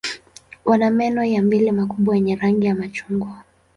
Wana meno ya mbele makubwa yenye rangi ya machungwa.